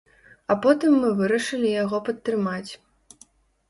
А потым мы вырашылі яго падтрымаць.